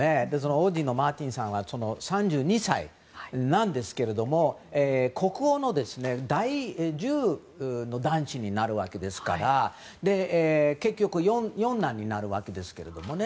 王子のマティーンさんは３２歳なんですけれども国王の第１０の男子になるわけですから結局、四男になるわけですね。